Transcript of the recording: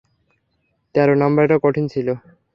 তেরো নাম্বারটা কঠিন ছিলো।